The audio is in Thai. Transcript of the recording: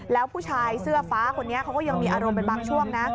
แล้วผู้ชายเสื้อฟ้าคนนี้เขาก็ยังมีอารมณ์เป็นบางช่วงนะ